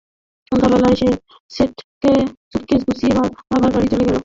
সন্ধ্যাবেলায় সে সুটকেস গুছিয়ে বাবার বাড়ি চলে গেছে।